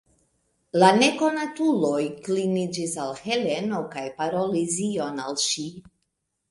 La nekonatulo kliniĝis al Heleno kaj parolis ion al ŝi.